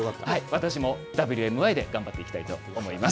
私もＷＭＹで頑張っていきたいと思います。